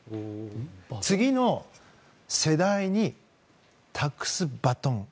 次の世代に託すバトン。